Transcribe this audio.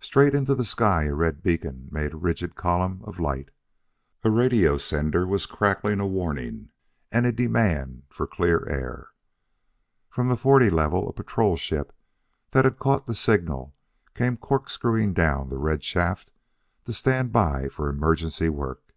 Straight into the sky a red beacon made a rigid column of light; a radio sender was crackling a warning and a demand for "clear air." From the forty level, a patrol ship that had caught the signal came corkscrewing down the red shaft to stand by for emergency work....